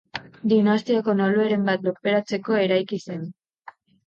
Dinastiako nobleren bat lurperatzeko eraiki zen.